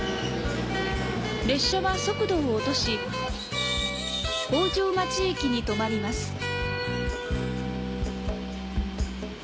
列車は速度を落とし北条町駅に止まります。